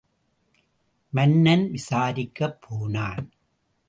மன்னன் விசாரிக்கப் போனான்.